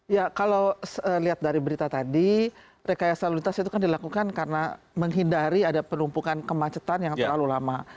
ya kalau lihat dari berita tadi rekayasa lalu lintas itu kan dilakukan karena menghindari ada penumpukan kemacetan yang terlalu lama